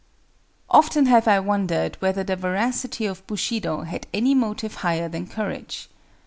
] Often have I wondered whether the Veracity of Bushido had any motive higher than courage.